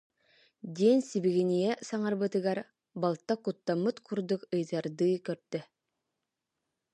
диэн сибигинэйэ саҥарбытыгар, балта куттаммыт курдук ыйытардыы көрдө